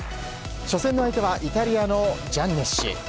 初戦の相手はイタリアのジャンネッシ。